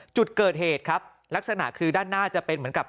จุดเกิดเหตุครับลักษณะคือด้านหน้าจะเป็นเหมือนกับ